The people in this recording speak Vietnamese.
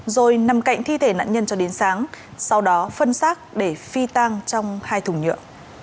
rồi nằm cạnh thi thể nạn nhân cho đến sáng sau đó phân xác để phi tang trong hai thùng nhựa